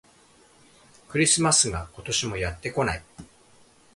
クリスマスが、今年もやってこない